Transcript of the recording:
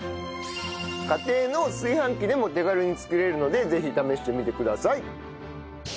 家庭の炊飯器でも手軽に作れるのでぜひ試してみてください。